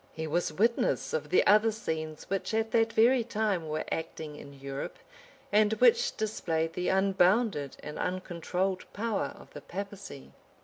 He was witness of the other scenes which at that very time were acting in Europe, and which displayed the unbounded and uncontrolled power of the papacy.